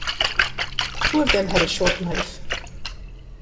Two of them had a short life.